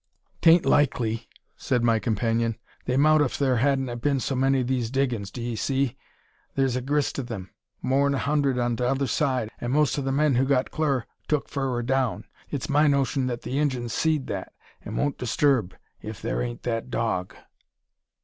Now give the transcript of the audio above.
"'Tain't likely," said my companion. "They mout ef thur hadn't 'a been so many o' these diggins, do 'ee see? Thur's a grist o' 'em more'n a hundred on t'other side; an' most o' the men who got clur tuk furrer down. It's my notion the Injuns seed that, an' won't disturb Ef thur ain't that dog!"